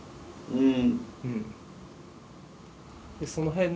うん。